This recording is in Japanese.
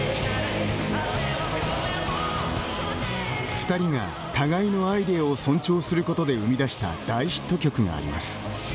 二人が互いのアイデアを尊重することで生み出した大ヒット曲があります。